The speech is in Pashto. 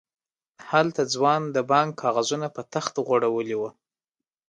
هلته ځوان د بانک کاغذونه په تخت غړولي وو.